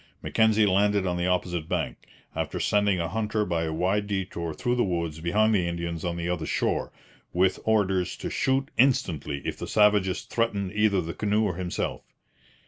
Mackenzie landed on the opposite bank, after sending a hunter by a wide detour through the woods behind the Indians on the other shore, with orders to shoot instantly if the savages threatened either the canoe or himself.